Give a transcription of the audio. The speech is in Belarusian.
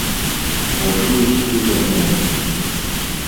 Прашу ісці за мною!